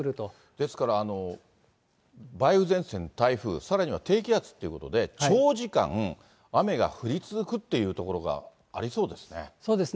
ですから、梅雨前線に台風、さらには低気圧ということで、長時間、雨が降り続くっていう所がありそうですね。